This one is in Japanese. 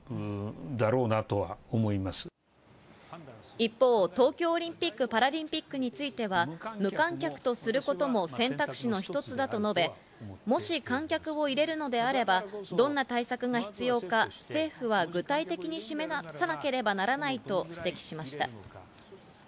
一方、東京オリンピック・パラリンピックについては、無観客とすることも選択肢の一つだと述べ、もし観客を入れるのであれば、どんな対策が必要か政府は具体的に示さなければならないと指摘しました。